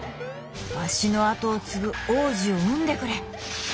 わしの跡を継ぐ王子を産んでくれ！」。